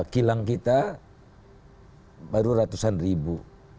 kilang kita baru ratusan ribu